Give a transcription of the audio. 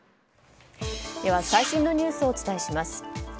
では最新のニュースをお伝えします。